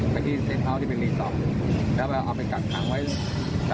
ไปที่เซ็นเท้าที่เป็นลีสอบแล้วเอาไปกัดขังไว้๓คืน๒วันนะครับ